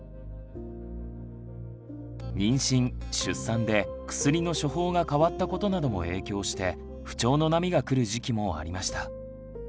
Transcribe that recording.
妊娠出産で薬の処方が変わったことなども影響して不調の波が来る時期もありました。